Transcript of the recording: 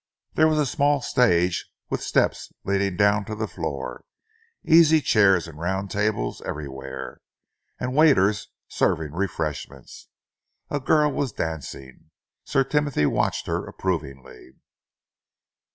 There was a small stage with steps leading down to the floor, easy chairs and round tables everywhere, and waiters serving refreshments. A girl was dancing. Sir Timothy watched her approvingly.